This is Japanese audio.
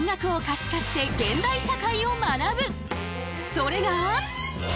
それが。